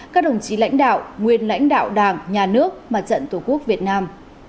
các đồng chí lãnh đạo nguyên lãnh đạo đảng nhà nước mặt trận tổ quốc việt nam